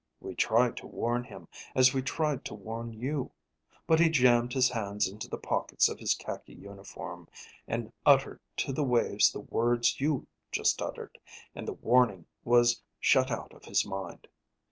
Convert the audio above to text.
We tried to warn him, as we tried to warn you. But he jammed his hands into the pockets of his khaki uniform, and uttered to the waves the words you just uttered, and the warning was shut out of his mind.